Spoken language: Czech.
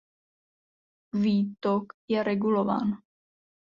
Výtok je regulován.